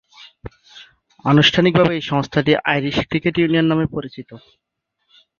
আনুষ্ঠানিকভাবে এ সংস্থাটি আইরিশ ক্রিকেট ইউনিয়ন নামে পরিচিত।